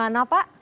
ada di mana pak